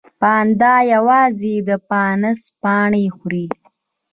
پاندا یوازې د بانس پاڼې خوري